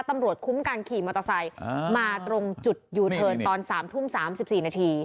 ตำรวจคุ้มการขี่มอเตอร์ไซค์มาตรงจุดอยู่เทินตอนสามทุ่มสามสิบสี่นาที